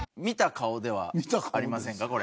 見た顔ではありませんか？